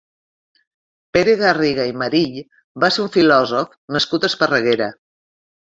Pere Garriga i Marill va ser un filòsof nascut a Esparreguera.